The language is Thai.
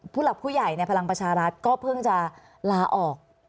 หลักผู้ใหญ่ในพลังประชารัฐก็เพิ่งจะลาออก